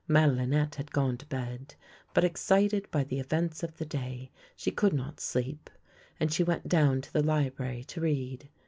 Madelinette had gone to bed, but, excited by the events of the day, she could not sleep, and she went down to the library to read.